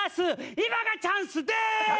今がチャンスでーす！